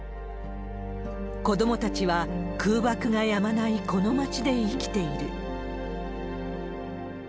子どもたちは、空爆がやまないこの町で生きている。